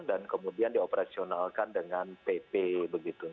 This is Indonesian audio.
dan kemudian dioperasionalkan dengan pp begitu